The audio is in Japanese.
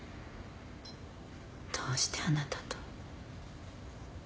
どうしてあなたと。